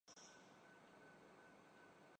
انسانی فکر میں آنے والی یہ ایسی ہی ایک تبدیلی ہے۔